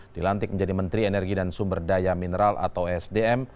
dilantik menjadi menteri energi dan sumber daya mineral atau sdm